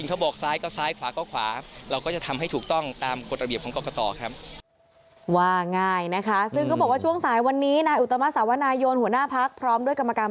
ต้อยเลยครับไม่จริงเขาบอก